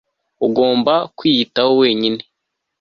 ugomba kwiyitaho wenyine